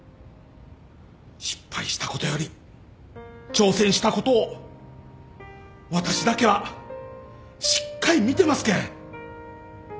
失敗したことより挑戦したことを私だけはしっかり見てますけん